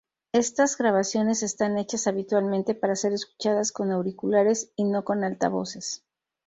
Estas grabaciones están hechas, habitualmente, para ser escuchadas con auriculares y no con altavoces.